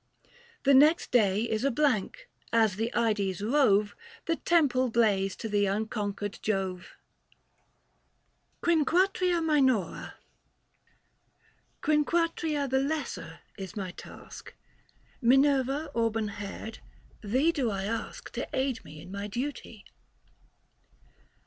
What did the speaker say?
The next day is a blank ; as the Ides rove The temples blaze to the unconquered Jove. 785 QUINQU ATRIA MINORA. Quinquatria the lesser is my task ; Minerva auburn haired, thee do I ask 202 THE FASTI. Book VI. To aid me in my duty.